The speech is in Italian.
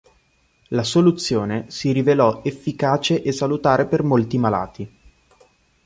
La soluzione si rivelò efficace e salutare per molti malati.